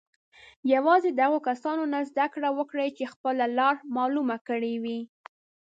یوازې د هغو کسانو نه زده کړه وکړئ چې خپله لاره معلومه کړې وي.